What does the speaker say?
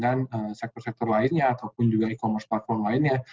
dengan sektor sektor lainnya ataupun juga e commerce platform lainnya